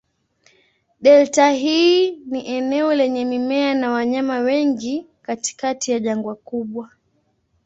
Delta hii ni eneo lenye mimea na wanyama wengi katikati ya jangwa kubwa.